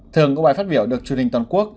thường có bài phát biểu được truyền hình toàn quốc